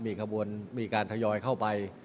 มีการทยอยเข้าไป